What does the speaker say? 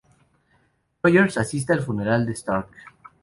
Rogers asiste al funeral de Stark.